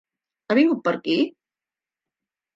Ha vingut per aquí?